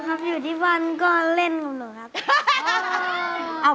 ไม่รู้ครับอยู่ที่บอลก็เล่นกับหนูครับ